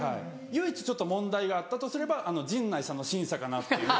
唯一問題があったとすれば陣内さんの審査かなっていう。